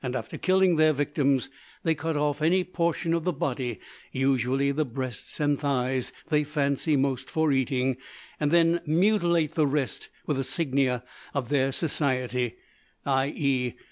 After killing their victims, they cut off any portions of the body usually the breasts and thighs they fancy most for eating, and then mutilate the rest with the signia of their society, _i.e.